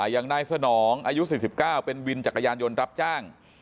อย่างนายสนองอายุ๔๙เป็นวินจักรยานยนต์รับจ้าง